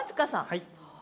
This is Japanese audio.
はい。